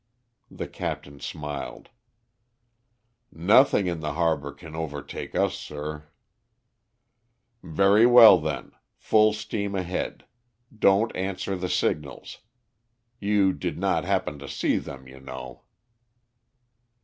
The captain smiled. "Nothing in the harbour can overtake us, sir." "Very well. Full steam ahead. Don't answer the signals. You did not happen to see them, you know!"